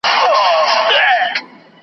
د یوه په مفهوم لا نه یم پوه سوی .